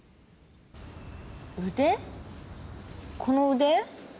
この腕？